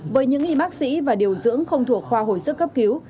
với những y bác sĩ và điều dưỡng không thuộc khoa hồi sức cấp cứu